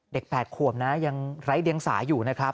เด็กแปดขวมนะยังไร้เดียงสาอยู่นะครับ